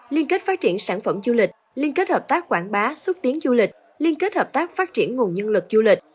liên kết phát triển sản phẩm du lịch liên kết hợp tác quảng bá xúc tiến du lịch liên kết hợp tác phát triển nguồn nhân lực du lịch